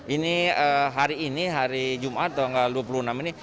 ini hari ini hari jumat tanggal dua puluh enam ini